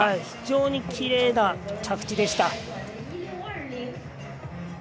非常にきれいな着地でした。